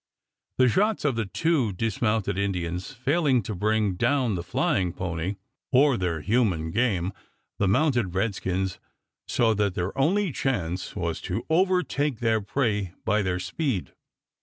The shots of the two dismounted Indians failing to bring down the flying pony, or their human game, the mounted redskins saw that their only chance was to overtake their prey by their speed.